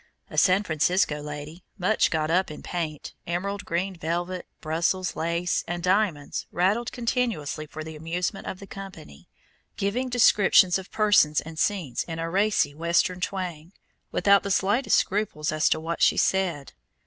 A San Francisco lady, much "got up" in paint, emerald green velvet, Brussels lace, and diamonds, rattled continuously for the amusement of the company, giving descriptions of persons and scenes in a racy Western twang, without the slightest scruple as to what she said.